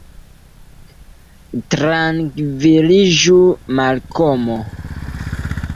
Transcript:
Trankviliĝu, Malkomo.